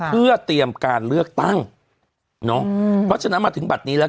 เพื่อเตรียมการเลือกตั้งเนอะเพราะฉะนั้นมาถึงบัตรนี้แล้ว